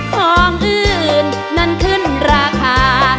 ของอื่นนั้นขึ้นราคา